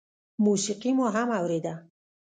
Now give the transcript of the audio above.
موسيقي مو هم اورېده.